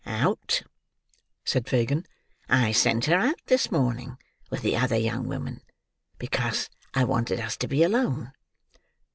"Out," said Fagin. "I sent her out this morning with the other young woman, because I wanted us to be alone."